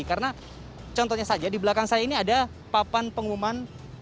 karena contohnya saja di belakang saya ini ada papan pengumuman